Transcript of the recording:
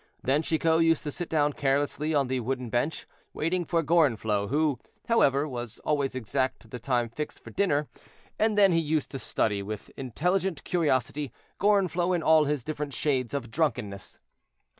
Then Chicot used to sit down carelessly on the wooden bench, waiting for Gorenflot, who, however, was always exact to the time fixed for dinner; and then he used to study, with intelligent curiosity, Gorenflot in all his different shades of drunkenness.